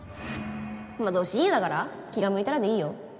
まあど深夜だから気が向いたらでいいよ。